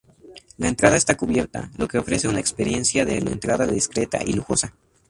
La entrada está cubierta, lo que ofrece una experiencia de entrada discreta y lujosa.